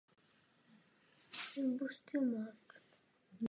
Znovu nastal čas, abychom vysvětlili Bělorusku podmínky spolupráce.